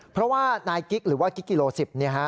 เพราะว่านายกิ๊กหรือว่ากิ๊กกิโล๑๐